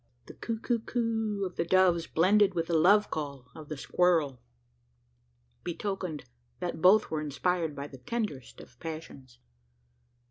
The "coo coo oo" of the doves blending with the love call of the squirrel, betokened that both were inspired by the tenderest of passions.